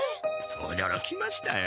おどろきましたよ。